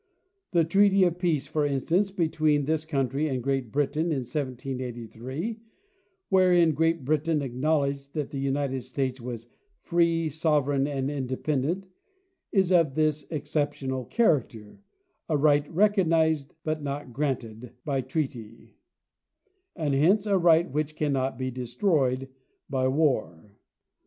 The treaty of peace, for instance, between this country and Great Britain in 1783, wherein Great Britain acknowledged that the United States was "free, sovereign and independent," is of this exceptional character—a right recognized, but not granted by treaty, and hence a right which cannot be destroyed by war.